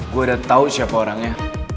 gue udah tau siapa orangnya